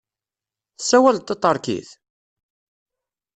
Tessawaleḍ taṭerkit?